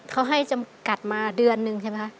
เขาให้จำกัดมาเดือนนึงใช่ไหมคะ